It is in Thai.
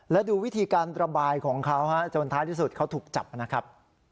และดูวิธีการระบายของเขาจนท้ายที่สุดเขาถูกจับนะครับ